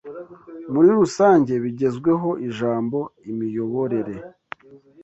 Muri rusange bigezweho ijambo imiyoborere